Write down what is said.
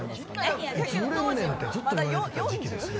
いつ売れんねんってずっと言われてた時期ですね。